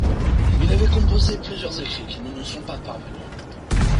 Il avait composé plusieurs écrits qui ne nous sont pas parvenus.